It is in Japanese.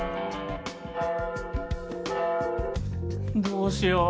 どうしよう。